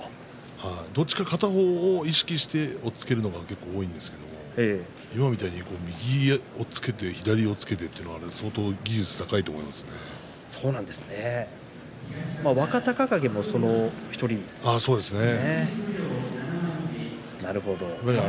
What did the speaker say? どちらか片方を意識して押っつけるのが結構、多いんですけれども今みたいに、右を押っつけて左を押っつけたというのは若隆景もその１人ですね。